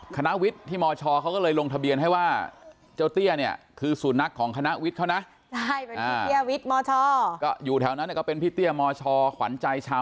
คณะวิทย์ที่มชอเขาก็เลยลงทะเบียนให้ว่า